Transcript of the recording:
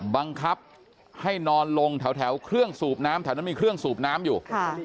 บังคับให้นอนลงแถวเครื่องสูบน้ำแถวนั้นมีเครื่องสูบน้ำอยู่